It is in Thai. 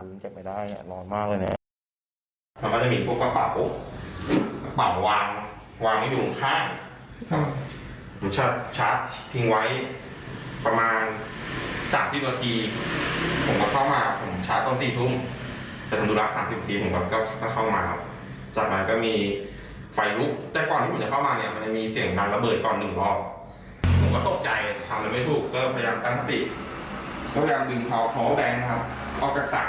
ก็พยายามดึงเพราะว่าแดงนะครับเขากัดสาย